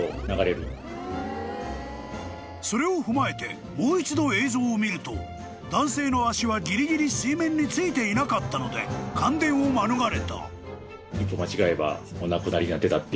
［それを踏まえてもう一度映像を見ると男性の足はギリギリ水面についていなかったので感電を免れた］